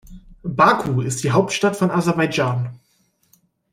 Baku ist die Hauptstadt von Aserbaidschan.